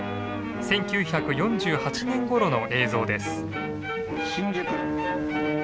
１９４８年ごろの映像です。